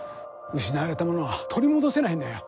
失われたものは取り戻せないんだよ。